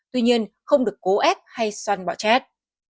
tuy nhiên không được cố ép hay xoăn bọ chét